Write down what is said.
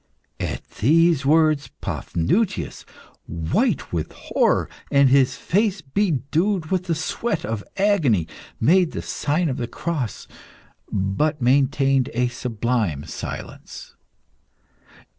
At these words Paphnutius, white with horror and his face bedewed with the sweat of agony made the sign of the cross, but maintained a sublime silence.